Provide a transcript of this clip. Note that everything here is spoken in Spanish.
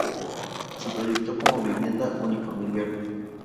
Se proyectó como vivienda unifamiliar.